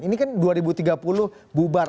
ini kan dua ribu tiga puluh bubar